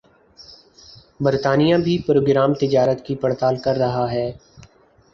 برطانیہ بھِی پروگرام تجارت کی پڑتال کر رہا ہے